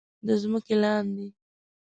د ځمکې لاندې